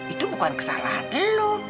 itu bukan kesalahan lu